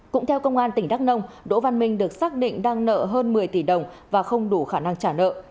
cũng theo công an tỉnh đắk nông đỗ văn minh được xác định đang nợ hơn một mươi tỷ đồng và không đủ khả năng trả nợ